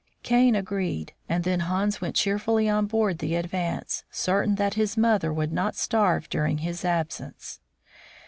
Kane agreed, and then Hans went cheerfully on board the Advance, certain that his mother would not suffer during his absence.